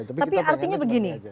tapi artinya begini